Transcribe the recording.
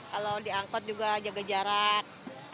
kalau diangkut juga jaga jarak